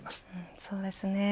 そうですね。